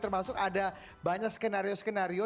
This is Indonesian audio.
termasuk ada banyak skenario skenario